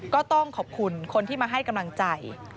ก็ต้องขอบคุณคนที่มาให้กำลังใจ